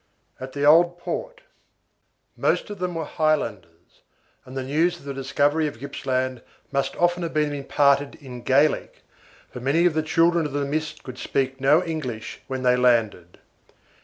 AT THE OLD PORT. Most of them were Highlanders, and the news of the discovery of Gippsland must often have been imparted in Gaelic, for many of the children of the mist could speak no English when they landed.